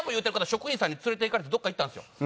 職員さんに連れていかれてどこか行ったんですよ。